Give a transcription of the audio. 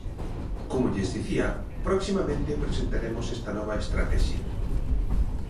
Como lles dicía, proximamente presentaremos esta nova estratexia.